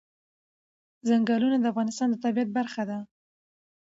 چنګلونه د افغانستان د طبیعت برخه ده.